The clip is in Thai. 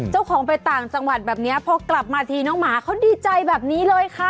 เจ้าของไปต่างจังหวัดแบบนี้พอกลับมาทีน้องหมาเขาดีใจแบบนี้เลยค่ะ